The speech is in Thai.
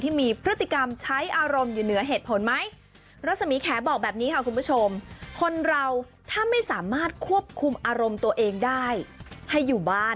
ที่ดูอยู่เหนือกฎหมาย